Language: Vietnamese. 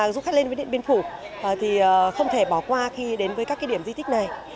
du khách lên với điện biên phủ thì không thể bỏ qua khi đến với các điểm di tích này